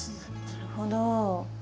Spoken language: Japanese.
なるほど。